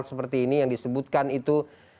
seperti ini yang disebutkan itu